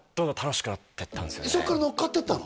そこからのっかっていったの？